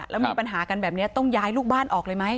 แล้วมีปัญหากันแบบนี้ต้องย้ายลูกบ้านออกเลยไหม